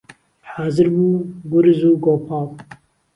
حازر بوو گورز و گۆپاڵ